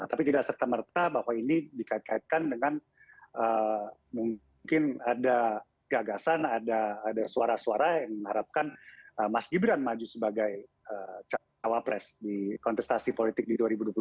tapi tidak serta merta bahwa ini dikait kaitkan dengan mungkin ada gagasan ada suara suara yang mengharapkan mas gibran maju sebagai cawapres di kontestasi politik di dua ribu dua puluh